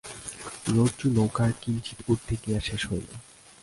রজ্জু নৌকার কিঞ্চিৎ ঊর্ধে গিয়া শেষ হইল।